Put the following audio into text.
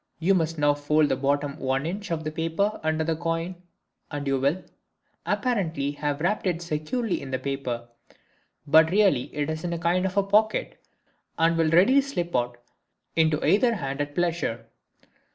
You must now fold the bottom 1 in. of the paper under the coin and you will, apparently, have wrapped it securely in the paper; but really it is in a kind of pocket, and will readily slip out into either hand at pleasure.